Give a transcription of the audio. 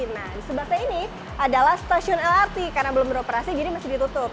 nah di sebelah saya ini adalah stasiun lrt karena belum beroperasi jadi masih ditutup